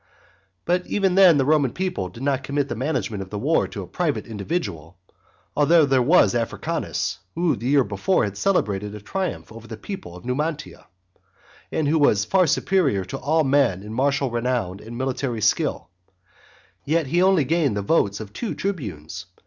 But even then the Roman people did not commit the management of the war to a private individual, although there was Africanus, who the year before had celebrated a triumph over the people of Numantia, and who was far superior to all men in martial renown and military skill; yet he only gained the votes of two tribunes.